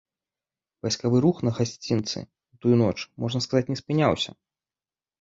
Вайсковы рух на гасцінцы ў тую ноч, можна сказаць, не спыняўся.